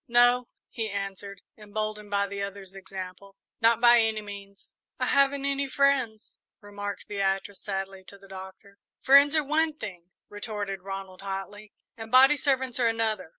"No," he answered, emboldened by the other's example; "not by any means." "I haven't any friends," remarked Beatrice, sadly, to the Doctor. "Friends are one thing," retorted Ronald, hotly, "and body servants are another.